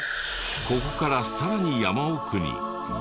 ここからさらに山奥にビーチが。